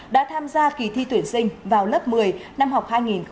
đã tham gia kỳ thi tuyển sinh vào lớp một mươi năm học hai nghìn hai mươi hai nghìn hai mươi một